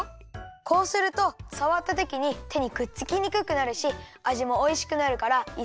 こうするとさわったときにてにくっつきにくくなるしあじもおいしくなるからいっせきにちょう！